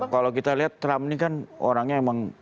kalau kita lihat trump ini kan orangnya emang